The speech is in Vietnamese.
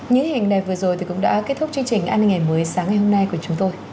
những hình này vừa rồi cũng đã kết thúc chương trình an ninh ngày mới sáng ngày hôm nay của chúng tôi